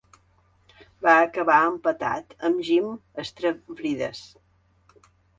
Va acabar empatat amb Jim Stravrides.